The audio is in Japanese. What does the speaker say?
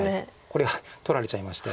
これが取られちゃいまして。